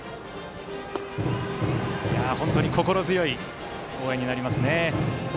本当に心強い応援になりますね。